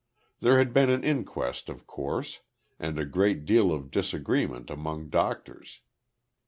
There had been an inquest of course, and a great deal of disagreement among doctors.